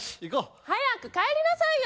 早く帰りなさいよ！